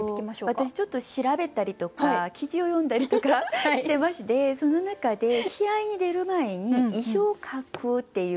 私ちょっと調べたりとか記事を読んだりとかしてましてその中で試合に出る前に遺書を書くっていう。